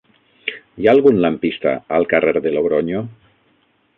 Hi ha algun lampista al carrer de Logronyo?